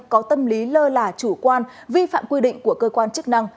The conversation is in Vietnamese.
có tâm lý lơ là chủ quan vi phạm quy định của cơ quan chức năng